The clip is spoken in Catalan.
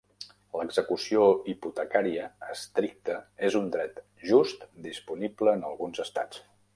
L'execució hipotecària estricta és un dret just disponible en alguns estats.